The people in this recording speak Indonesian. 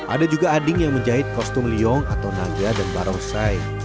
ada juga ading yang menjahit kostum liong atau naga dan barongsai